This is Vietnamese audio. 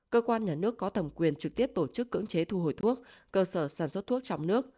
cơ quan nhà nước có thẩm quyền trực tiếp tổ chức cưỡng chế thu hồi thuốc cơ sở sản xuất thuốc trong nước